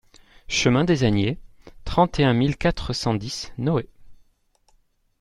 Chemin des Agnets, trente et un mille quatre cent dix Noé